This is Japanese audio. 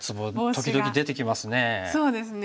時々出てきますね。